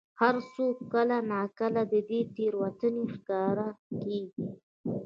هر څوک کله نا کله د دې تېروتنې ښکار کېږي.